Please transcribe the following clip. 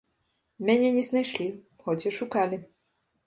Мяне не знайшлі, хоць і шукалі.